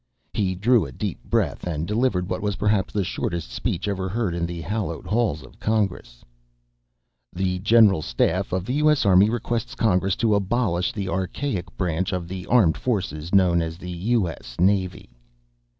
He drew a deep breath and delivered what was perhaps the shortest speech ever heard in the hallowed halls of Congress: "The General Staff of the U.S. Army requests Congress to abolish the archaic branch of the armed forces known as the U.S. Navy."